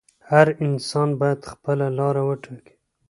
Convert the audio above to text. هر انسان باید خپله لاره وټاکي.